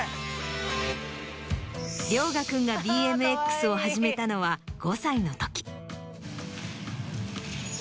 怜雅君がＢＭＸを始めたのは５歳の時。